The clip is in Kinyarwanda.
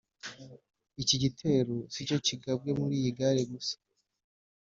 Iki gitero sicyo cyigabwe muri iyi gare gusa